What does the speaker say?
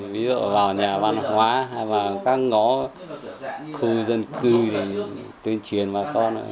ví dụ vào nhà văn hóa hay là các ngõ khu dân cư thì tuyên truyền bà con